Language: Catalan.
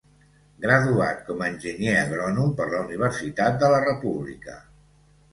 Graduat com a enginyer agrònom per la Universitat de la República.